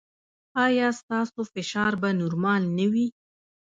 ایا ستاسو فشار به نورمال نه وي؟